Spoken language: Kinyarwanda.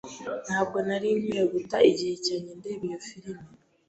Ntabwo nari nkwiye guta igihe cyanjye ndeba iyo firime.